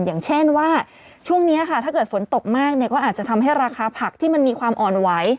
อย่างเช่นว่าช่วงนี้ค่ะถ้าเกิดฝนตกมากเนี่ยก็อาจจะทำให้ราคาผักที่มันมีความอ่อนไหว